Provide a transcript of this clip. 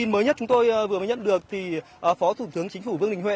thông tin mới nhất chúng tôi vừa mới nhận được thì phó thủ tướng chính phủ vương đình huệ